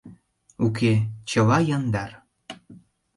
Уке, чыла яндар.